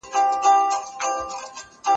د ډلو ترمنځ ټکر هيڅکله ګټور نه دی.